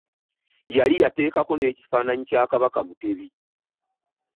Yali yateekako n’ekifaananyi kya Kabaka Mutebi.